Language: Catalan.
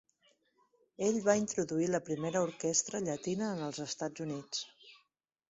Ell va introduir la primera orquestra llatina en els Estats Units.